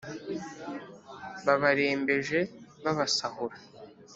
Babarembeje babasahura